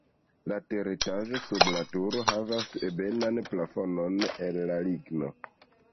La teretaĝo sub la turo havas ebenan plafonon el ligno.